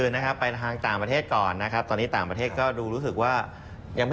ต่างลิงก์ไปกับเนี้ยตัวตลาด